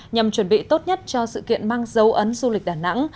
nhằm chuẩn bị tốt nhất cho sự kiện mang dấu ấn du lịch đà nẵng